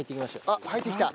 あっ入ってきた。